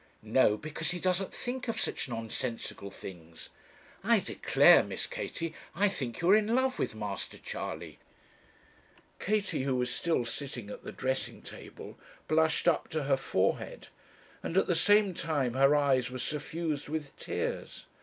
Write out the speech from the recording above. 'No! because he doesn't think of such nonsensical things. I declare, Miss Katie, I think you are in love with Master Charley.' Katie, who was still sitting at the dressing table, blushed up to her forehead; and at the same time her eyes were suffused with tears.